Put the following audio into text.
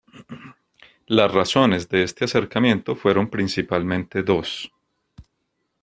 Las razones de este acercamiento fueron principalmente dos.